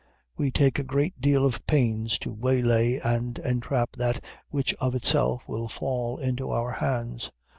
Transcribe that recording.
We take a great deal of pains to waylay and entrap that which of itself will fall into our hands.